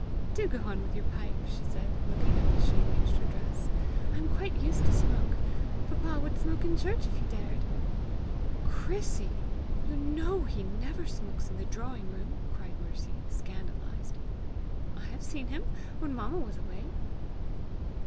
"Do go on with your pipe," she said, looking up as she arranged her dress; "I am quite used to smoke. Papa would smoke in church if he dared!" "Chrissy! You KNOW he NEVER smokes in the drawing room!" cried Mercy, scandalized. "I have seen him when mamma was away."